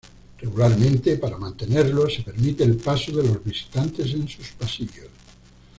Regularmente para mantenerlo se permite el paso de los visitantes en sus pasillos.